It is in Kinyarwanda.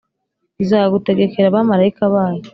“Izagutegekera abamarayika bayo,